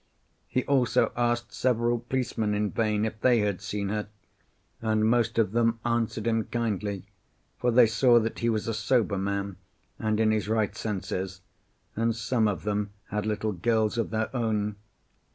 He also asked several policemen in vain if they had seen her, and most of them answered him kindly, for they saw that he was a sober man and in his right senses, and some of them had little girls of their own.